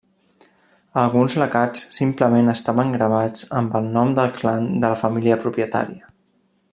Alguns lacats simplement estaven gravats amb el nom del clan de la família propietària.